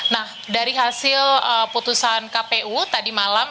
nah dari hasil putusan kpu tadi malam